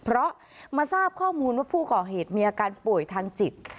เพราะมาทราบข้อมูลว่าผู้ก่อเหตุมีอาการป่วยทางจิต